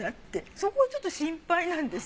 そこはちょっと心配なんです。